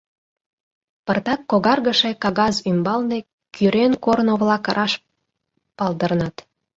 Пыртак когаргыше кагаз ӱмбалне кӱрен корно-влак раш палдырнат: